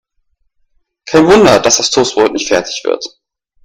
Kein Wunder, dass das Toastbrot nicht fertig wird.